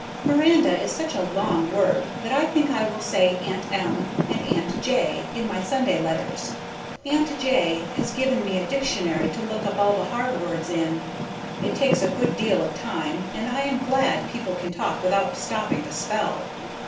Miranda is such a long word that I think I will say Aunt M. and Aunt J. in my Sunday letters. Aunt J. has given me a dictionary to look up all the hard words in. It takes a good deal of time and I am glad people can talk without stoping to spell.